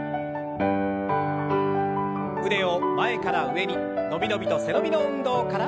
腕を前から上に伸び伸びと背伸びの運動から。